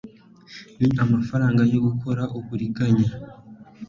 ni amafaranga yo gukora uburiganya